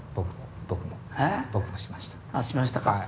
あっしましたか。